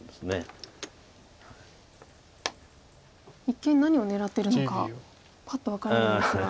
一見何を狙ってるのかパッと分からないですが。